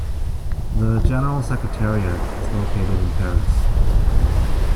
The General Secretariat is located in Paris.